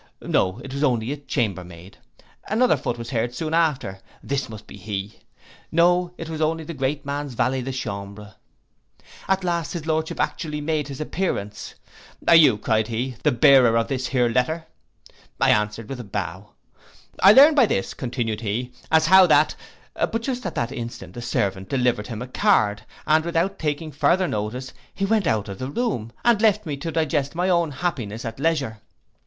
No, it was only a chambermaid. Another foot was heard soon after. This must be He! No, it was only the great man's valet de chambre. At last his lordship actually made his appearance. Are you, cried he, the bearer of this here letter? I answered with a bow. I learn by this, continued he, as how that—But just at that instant a servant delivered him a card, and without taking farther notice, he went out of the room, and left me to digest my own happiness at leisure.